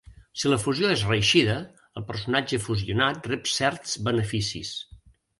Si la fusió és reeixida, el personatge fusionat rep certs beneficis.